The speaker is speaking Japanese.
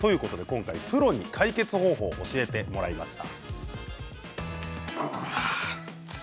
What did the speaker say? プロに解決方法を教えてもらいました。